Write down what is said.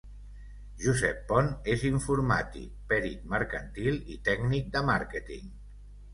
Josep Pont és informàtic, Perit mercantil i tècnic de màrqueting.